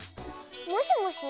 もしもし。